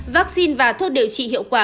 vaccine và thuốc điều trị hiệu quả